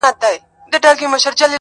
او رسنۍ پرې خبري کوي-